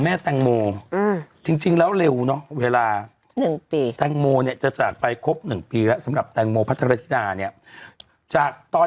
ไม่แล้วคนเดินไม่ใช่เขานะฉัน